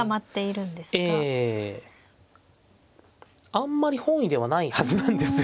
あんまり本意ではないはずなんですよ